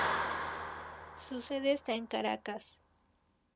Su sede está en Caracas.